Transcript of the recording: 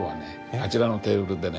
あちらのテーブルでね